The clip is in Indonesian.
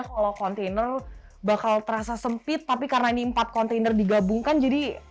saya itu mikirnya kalau kontainer bakal terasa sempit tapi karena ini empat kontainer digabungkan jadi luas ya bu ya